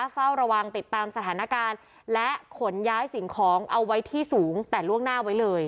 เฝ้าระวังติดตามสถานการณ์และขนย้ายสิ่งของเอาไว้ที่สูงแต่ล่วงหน้าไว้เลย